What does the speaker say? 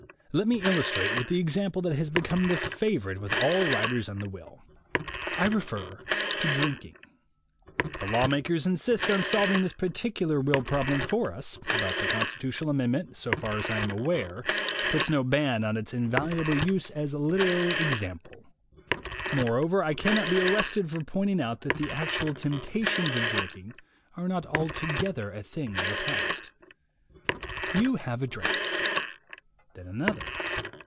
Let me illustrate with the example that has become the favorite with all writers on will. I refer to drinking. The law makers insist on solving this particular will prob lem for us, but the Constitutional Amendment, so far as I am aware, puts no ban on its invaluable use as a literary example. Moreover, I cannot be arrested for pointing out that the actual temptations to drinking are not altogether a thing of the past. You have a drink; then another.